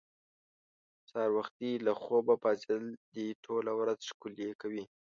سهار وختي له خوبه پاڅېدل دې ټوله ورځ ښکلې کوي.